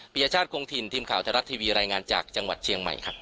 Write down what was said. ยชาติคงถิ่นทีมข่าวไทยรัฐทีวีรายงานจากจังหวัดเชียงใหม่ครับ